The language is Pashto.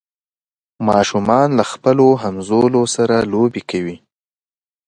ماشومان له خپلو همزولو سره لوبې کوي.